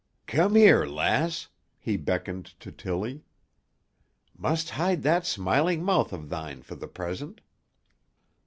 "Come here, lass," he beckoned to Tillie. "Must hide that smiling mouth of thine for the present."